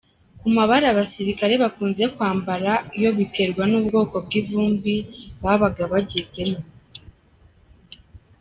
Ku mabara, aba basirikare bakunze kwambara, yo biterwa n’ubwoko bw’ivumbi, babaga bagezemo.